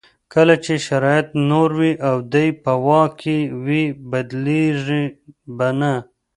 کله چې شرایط نور وي او دی په واک کې وي بدلېږي به نه.